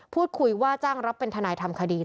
พูดคุยว่าจ้างรับเป็นทนายทำคดี